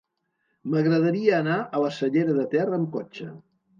M'agradaria anar a la Cellera de Ter amb cotxe.